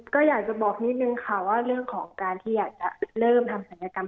ก็อยากจะบอกนิดนึงค่ะว่าเรื่องของการที่อยากจะเริ่มทำศัลยกรรม